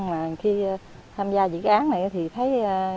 mà khi tham gia dự án này thì thấy